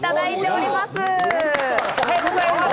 おはようございます。